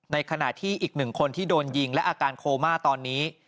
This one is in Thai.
ในขณะที่อีกหนึ่งคนที่โดนยิงและอาการโคม่าตอนนี้